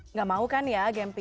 nggak mau kan ya gempi